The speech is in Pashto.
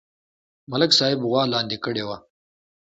ملک صاحب غوا لاندې کړې وه